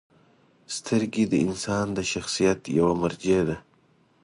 • سترګې د انسان د شخصیت یوه مرجع ده.